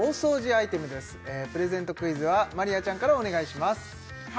クイズはまりあちゃんからお願いします